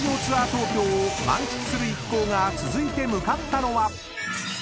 東京を満喫する一行が続いて向かったのは］